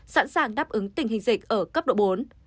sẵn sàng đáp ứng tình hình dịch ở cấp độ bốn